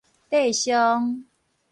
硩傷